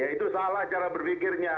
itu salah cara berpikirnya